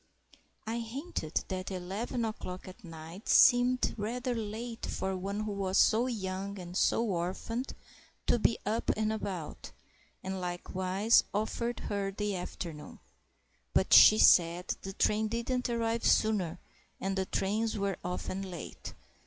I hinted that eleven o'clock at night seemed rather late for one who was so young and so orphaned to be up and about, and likewise offered her the afternoon. But she said the train didn't arrive sooner, and the trains were often late.